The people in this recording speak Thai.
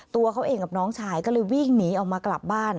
ตัวเขาเองกับน้องชายก็เลยวิ่งหนีออกมากลับบ้าน